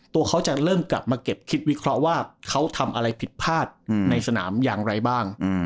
ตัวเขาจะเริ่มกลับมาเก็บคิดวิเคราะห์ว่าเขาทำอะไรผิดพลาดในสนามอย่างไรบ้าง